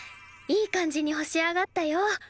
いい感じに干しあがったよ。